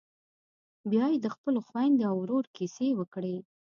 بيا یې د خپلو خويندو او ورور کيسې وکړې.